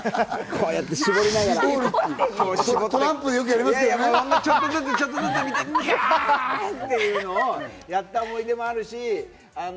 こうやって見て、キャ！っていうのをやった思い出もあるし。